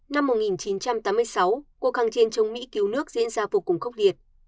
năm một nghìn chín trăm tám mươi sáu cuộc kháng chiến chống mỹ cứu nước diễn ra vô cùng khốc liệt